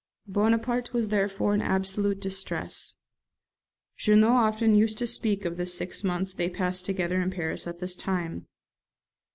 Bonaparte was therefore in absolute distress. Junot often used to speak of the six months they passed together in Paris at this time.